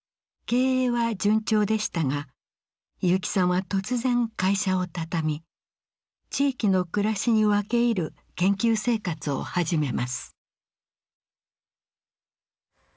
経営は順調でしたが結城さんは突然会社をたたみ地域の暮らしに分け入る研究生活を始めます。